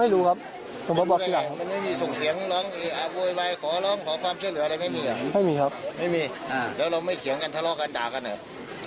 เราไม่เขียงกันทะเลาะกันด่ากันเหรอ